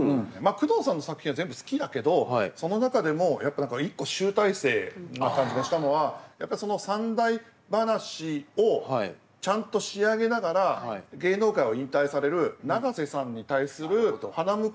宮藤さんの作品は全部好きだけどその中でもやっぱり一個集大成な感じがしたのはやっぱりその三題噺をちゃんと仕上げながら芸能界を引退される長瀬さんに対するはなむけのドラマにもなってるっていう。